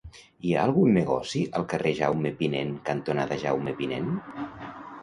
Hi ha algun negoci al carrer Jaume Pinent cantonada Jaume Pinent?